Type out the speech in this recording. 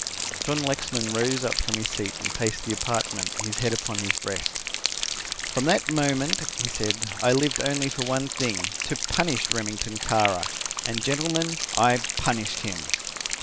John Lexman rose up from his seat, and paced the apartment, his head upon his breast. "From that moment," he said, "I lived only for one thing, to punish Remington Kara. And gentlemen, I punished him."